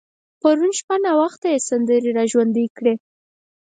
پرون شپه ناوخته يې سندرې را ژوندۍ کړې.